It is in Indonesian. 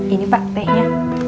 ini pak tehnya